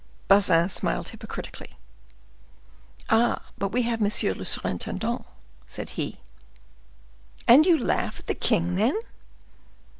Bazin smiled hypocritically. "Ah, but we have monsieur le surintendant," said he. "And you laugh at the king, then?"